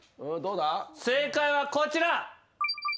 正解はこちら。